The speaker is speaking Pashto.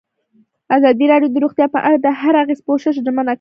ازادي راډیو د روغتیا په اړه د هر اړخیز پوښښ ژمنه کړې.